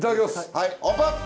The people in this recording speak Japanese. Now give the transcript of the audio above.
はいオープン。